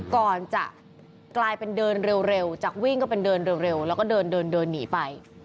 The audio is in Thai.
ก่อนจะกลายเป็นเดินเร็วจากวิ่งก็เป็นเดินเร็วแล้วก็เดินเดินหนีไป